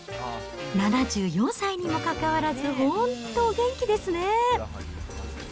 ７４歳にもかかわらず、本当、お元気ですね。